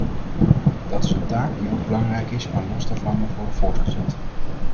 Dat is een taak die ook belangrijk is maar los daarvan moet worden voortgezet.